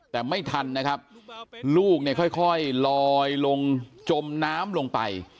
แต่ไม่ทันนะครับลูกเนี่ยค่อยลอยลงจมน้ำลงไป